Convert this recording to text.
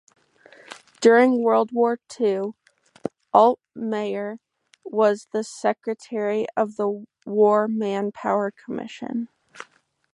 During World War Two, Altmeyer was the secretary of the War Manpower Commission.